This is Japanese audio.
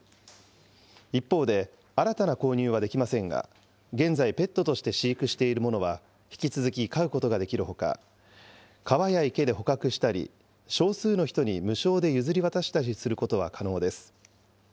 一方で新たな購入はできませんが現在、ペットとして飼育しているものは引き続き飼うことができるほか川や池で捕獲したり少数の人に無償で譲り渡したりすることは可能です。